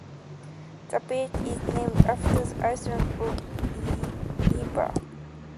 The village is named after the island of Elba.